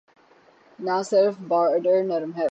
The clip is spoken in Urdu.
نہ صرف بارڈر نرم ہوں۔